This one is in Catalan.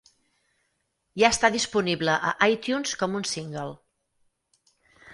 Ja està disponible a iTunes com un single.